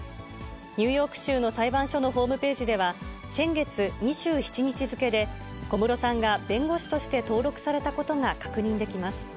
ニューヨーク州の裁判所のホームページでは、先月２７日付で、小室さんが弁護士として登録されたことが確認できます。